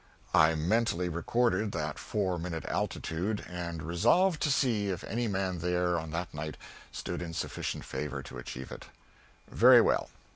I mentally recorded that four minute altitude, and resolved to see if any man there on that night stood in sufficient favor to achieve it. Very well.